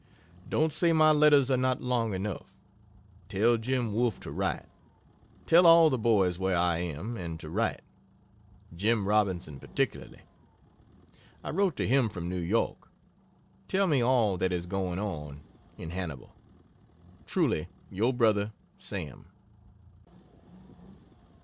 Don't say my letters are not long enough. Tell Jim Wolfe to write. Tell all the boys where I am, and to write. Jim Robinson, particularly. I wrote to him from N. Y. Tell me all that is going on in H l. Truly your brother SAM.